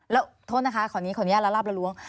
แล้วโทษนะคะขออนุญาตละลาบละล้วง